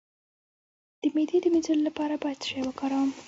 د معدې د مینځلو لپاره باید څه شی وکاروم؟